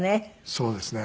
そうですね。